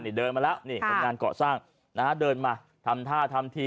นี่เดินมาแล้วนี่คนงานเกาะสร้างนะฮะเดินมาทำท่าทำที